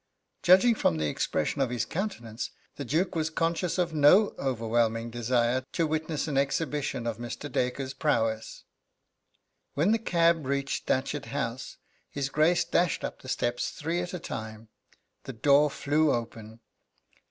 Judging from the expression of his countenance, the Duke was conscious of no overwhelming desire to witness an exhibition of Mr. Dacre's prowess. When the cab reached Datchet House his Grace dashed up the steps three at a time. The door flew open.